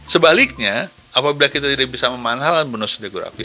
sebaliknya apabila kita tidak bisa memanfaatkan bonus degrafi